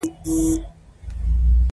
هر څوک کولی شي استاد ته چکش او پلاس ورکړي